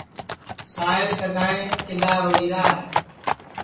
ساہیل سدائی کِدؔا روئی را ہے